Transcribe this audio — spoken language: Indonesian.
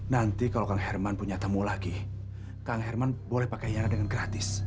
nanti kalau kang herman punya temu lagi kang herman boleh pake yana dengan gratis